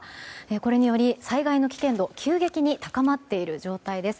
これにより災害の危険度は急激に高まっている状態です。